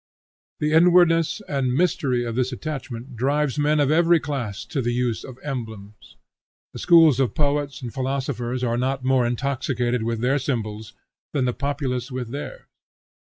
The inwardness and mystery of this attachment drives men of every class to the use of emblems. The schools of poets and philosophers are not more intoxicated with their symbols than the populace with theirs.